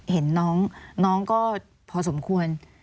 เห็นน้องก็พอสมควร